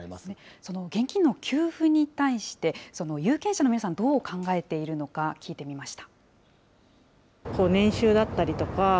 その現金の給付に対して、有権者の皆さんはどう考えているのか、聞いてみました。